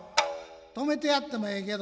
止めてやってもええけど